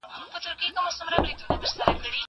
دا خبري له هغو روښانه دي!!